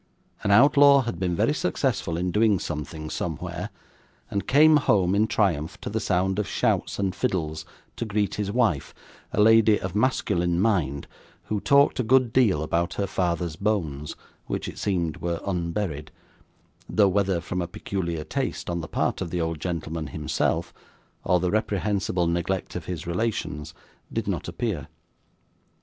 An outlaw had been very successful in doing something somewhere, and came home, in triumph, to the sound of shouts and fiddles, to greet his wife a lady of masculine mind, who talked a good deal about her father's bones, which it seemed were unburied, though whether from a peculiar taste on the part of the old gentleman himself, or the reprehensible neglect of his relations, did not appear.